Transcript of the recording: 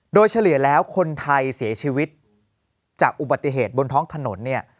โดยเฉลี่ยแล้วคนไทยเสียชีวิตจากอุบัติเหตุบนท้องถนนเนี่ย